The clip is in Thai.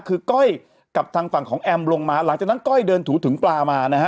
คือก้อยกับทางฝั่งของแอมลงมาหลังจากนั้นก้อยเดินถูถุงปลามานะฮะ